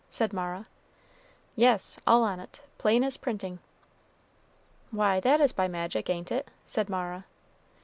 said Mara. "Yes, all on't, plain as printing." "Why, that is by magic, ain't it?" said Mara.